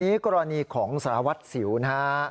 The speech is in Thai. อันนี้กรณีของสละวัดซิวนะครับ